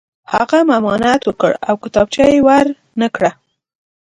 هغه ممانعت وکړ او کتابچه یې ور نه کړه